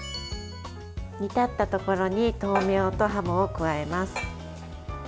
煮立ったところに豆苗とハムを加えます。